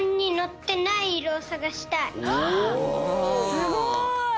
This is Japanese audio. すごい！